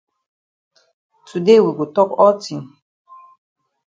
Today we go tok all tin.